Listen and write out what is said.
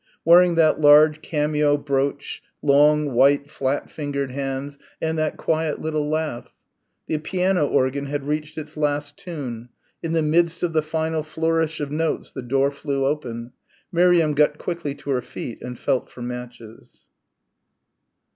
Wearing that large cameo brooch long, white, flat fingered hands and that quiet little laugh.... The piano organ had reached its last tune. In the midst of the final flourish of notes the door flew open. Miriam got quickly to her feet and felt for matches.